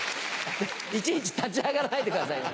いちいち立ち上がらないでくださいね。